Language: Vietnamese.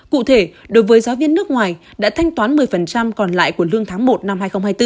cụ thể đối với giáo viên nước ngoài đã thanh toán một mươi còn lại của lương tháng một năm hai nghìn hai mươi bốn